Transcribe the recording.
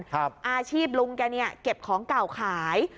อาชีพลุงแกเนี่ยเก็บของเก่าขาย